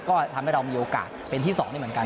ก็ทำให้เรามีโอกาสเป็นที่๒นี่เหมือนกัน